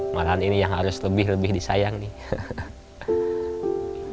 malahan ini yang harus lebih lebih disayang nih